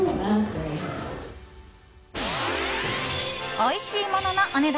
おいしいもののお値段